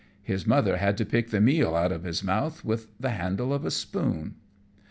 His mother had to pick the meal out of his mouth with the handle of a spoon.